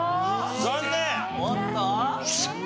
残念！